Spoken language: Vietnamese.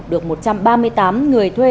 được một trăm ba mươi tám người thuê